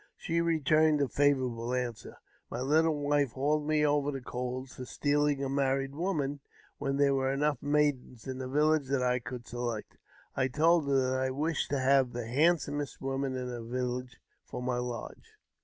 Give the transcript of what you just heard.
She returned a favourable answer. My little wife hauled me over the coals for stealing a married woman, when there were enough maidens in the village that I could select. I told her that I wdshed to have the handsomest woman in the village for my lodge.